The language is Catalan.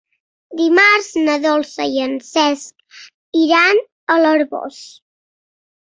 Dimarts na Dolça i en Cesc iran a l'Arboç.